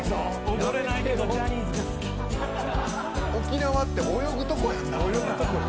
沖縄って泳ぐ所やんな。